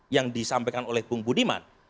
yang disampaikan oleh bung budiman